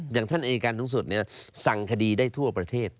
อย่างท่านอายการสูงสุดสั่งคดีได้ทั่วประเทศ